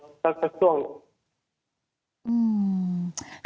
จุ่มวังต่อยมก็จะให้ชะนายหมด